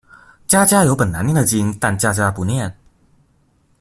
家家有本難念的經，但家家不念